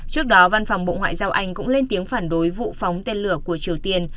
trước đó văn phòng bộ ngoại giao anh cũng lên tiếng phản đối vụ phóng tên lửa của triều tiên